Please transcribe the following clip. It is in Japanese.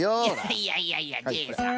いやいやいやジェイさん